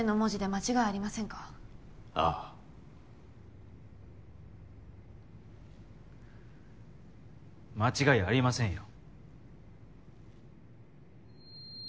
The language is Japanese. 間違いありませんよ。